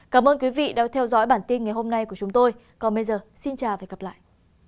cảm ơn quý vị đang theo dõi bản tin ngày hôm nay của chúng tôi còn bây giờ xin chào và hẹn gặp lại